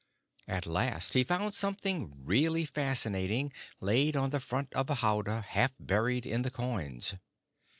At last he found something really fascinating laid on the front of a howdah half buried in the coins.